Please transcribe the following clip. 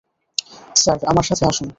Sir, আমার সাথে আসুন।